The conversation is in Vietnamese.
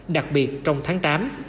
đặc biệt trong tháng tám